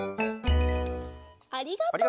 ありがとう。